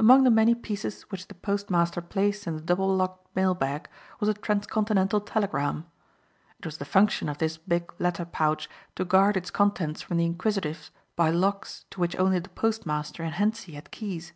Among the many pieces which the postmaster placed in the double locked mail bag was a trans continental telegram. It was the function of this big letter pouch to guard its contents from the inquisitive by locks to which only the postmaster and Hentzi had keys.